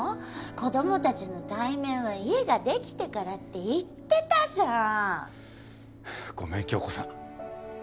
子供たちの対面は家が出来てからって言っはぁごめん京子さん。